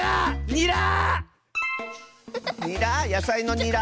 ニラ？